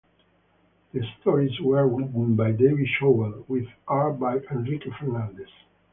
The stories were written by David Chauvel with art by Enrique Fernandez.